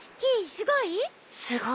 すごいね。